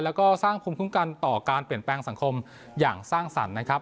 แล้วก็สร้างภูมิคุ้มกันต่อการเปลี่ยนแปลงสังคมอย่างสร้างสรรค์นะครับ